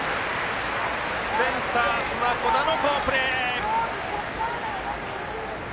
センター砂子田の好プレー。